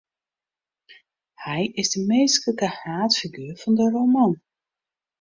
Hy is de minsklike haadfiguer fan de roman.